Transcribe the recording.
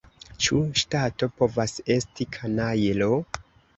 Ĉu ŝtato povas esti kanajlo?